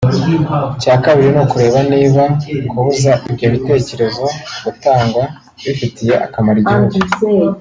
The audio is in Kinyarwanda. icya kabiri ni ukureba niba kubuza ibyo bitekerezo gutangwa bifitiye akamaro igihugu